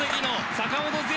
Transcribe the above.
坂本：